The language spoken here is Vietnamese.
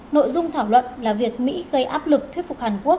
nội dung thảo luận là việc mỹ gây áp lực thuyết phục hàn quốc